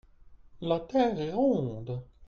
la terre est ronde.